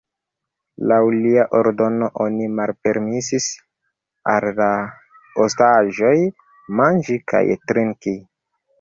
Laŭ lia ordono oni malpermesis al la ostaĝoj manĝi kaj trinki.